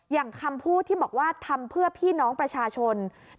อย่างคำพูดที่บอกว่าทำเพื่อพี่น้องประชาชน